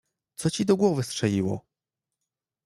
"Co ci do głowy strzeliło?!"